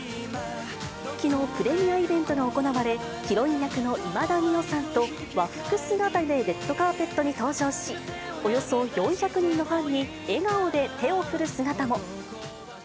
きのう、プレミアイベントが行われ、ヒロイン役の今田美桜さんと和服姿でレッドカーペットに登場し、およそ４００人のファンに笑顔で手を振る姿も。